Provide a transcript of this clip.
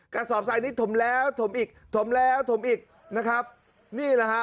กระสอบทรายนี้ถมแล้วถมอีกถมแล้วถมอีกนะครับนี่แหละฮะ